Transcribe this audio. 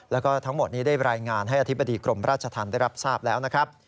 แล้วก็ทั้งหมดนี้ได้รายงานให้อธิบดีกรมราชธรรมได้รับทราบแล้วนะครับ